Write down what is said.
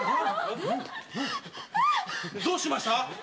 どうしました？